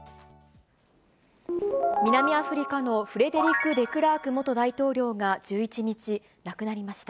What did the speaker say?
南アフリカのフレデリク・デクラーク元大統領が１１日、亡くなりました。